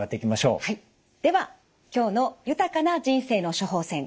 はいでは今日の「豊かな人生の処方せん」